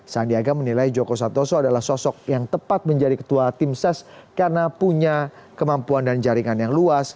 sandiaga menilai joko santoso adalah sosok yang tepat menjadi ketua tim ses karena punya kemampuan dan jaringan yang luas